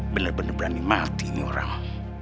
benar benar berani mati ini orang